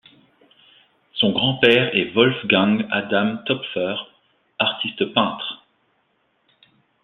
Son grand-père est Wolfgang Adam Toepffer, artiste peintre.